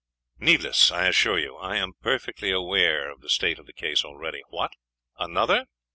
'Needless, I assure you. I am perfectly aware of the state of the case already. What! another?